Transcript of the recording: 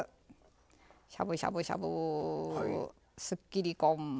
しゃぶしゃぶしゃぶすっきりこん。